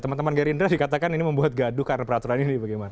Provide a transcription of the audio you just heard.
teman teman gerindra dikatakan ini membuat gaduh karena peraturan ini bagaimana